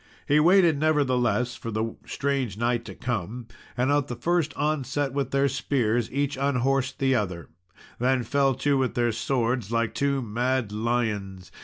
He waited, nevertheless, for the strange knight to come, and at the first onset with their spears, each unhorsed the other, and then fell to with their swords like two mad lions.